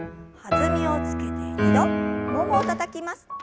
弾みをつけて２度ももをたたきます。